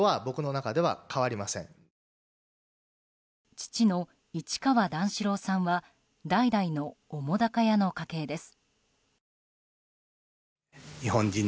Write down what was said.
父の市川段四郎さんは代々の澤瀉屋の家系です。